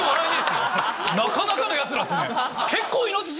なかなかのヤツらっすね。